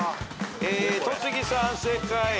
戸次さん正解。